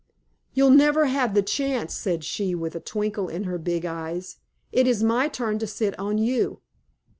"You'll never have the chance," said she, with a twinkle in her big eyes. "It is my turn to sit on you."